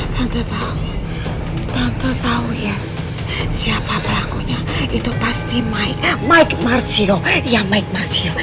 tante tau tante tau yes siapa pelakunya itu pasti mike mike marzio